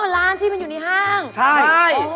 ร้านที่มันอยู่ในห้างใช่